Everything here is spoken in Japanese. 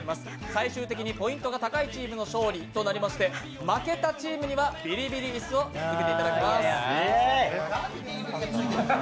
最終的にポイントの高いチームの勝利となりまして、負けたチームにはビリビリ椅子を受けていただきます。